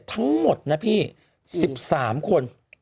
ทั้งหมดนะพี่๑๓คน